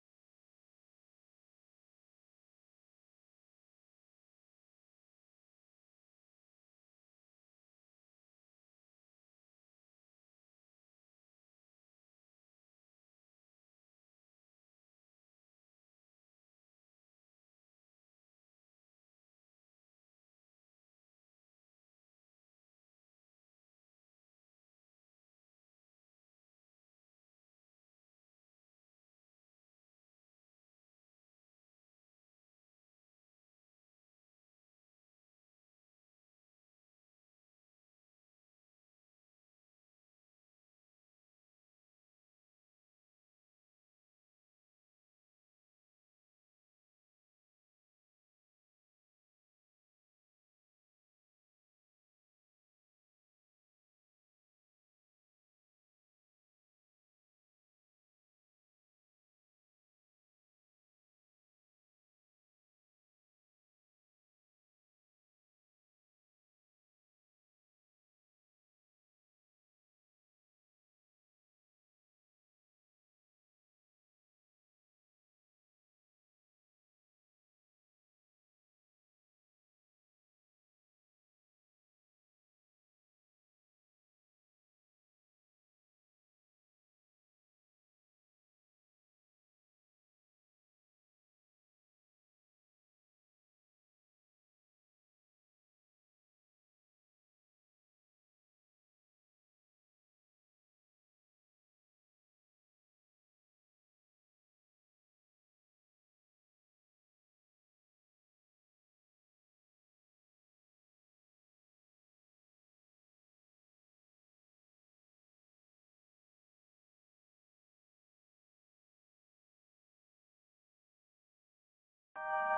ini tuh cak